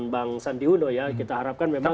bang sandiuno ya kita harapkan memang